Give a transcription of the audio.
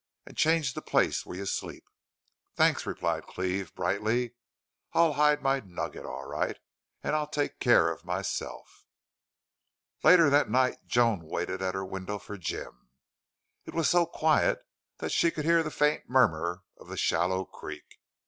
And change the place where you sleep!" "Thanks," replied Cleve, brightly. "I'll hide my nugget all right. And I'll take care of myself." Later that night Joan waited at her window for Jim. It was so quiet that she could hear the faint murmur of the shallow creek.